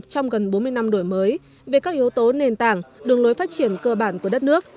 trong gần bốn mươi năm đổi mới về các yếu tố nền tảng đường lối phát triển cơ bản của đất nước